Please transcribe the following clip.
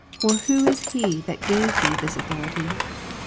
or who is he that gave thee this authority?